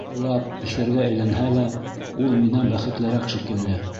Илап, иҫәргә әйләнһә лә, ул минән бәхетлерәк... шикелле.